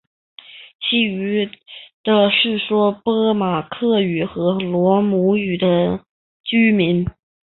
其余的是说波马克语和罗姆语的居民。